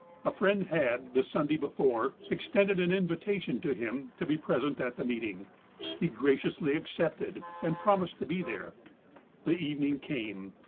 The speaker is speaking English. A friend had, the Sunday before, extended an Invita tion to him to be present at the meeting. He graciously accei^ted, and promised to be there. The evening came.